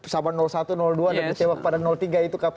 sama satu dua dan kecewa kepada tiga itu